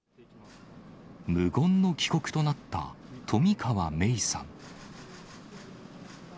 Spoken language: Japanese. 無言の帰国となった冨川芽生さん。